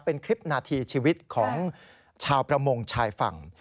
เป็นคลิปนาทีชีวิตของชาวประมงชายฝั่ง